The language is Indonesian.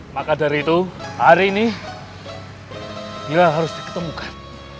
maka dari itu hari ini bila harus diketemukan